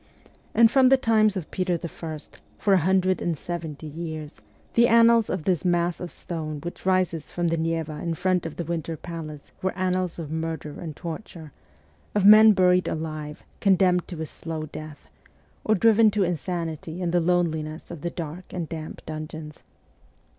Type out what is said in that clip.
And from the times of Peter I., for a hundred and seventy years, the annals of this mass of stone which rises from the Neva in front of the Winter Palace were annals of murder and torture, of men buried alive, condemned to a slow death, or driven to insanity in the loneliness of the dark and damp dungeons.